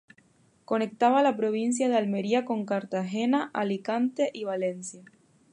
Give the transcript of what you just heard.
Conectaba la provincia de Almería con Cartagena, Alicante y Valencia.